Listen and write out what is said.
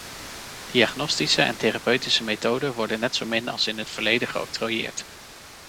Diagnostische en therapeutische methoden worden net zo min als in het verleden geoctrooieerd.